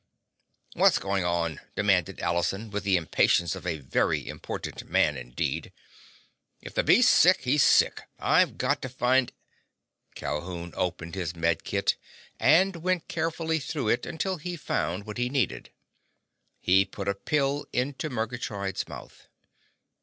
"What's going on?" demanded Allison with the impatience of a very important man indeed. "If the beast's sick, he's sick! I've got to find—" Calhoun opened his med kit and went carefully through it until he found what he needed. He put a pill into Murgatroyd's mouth.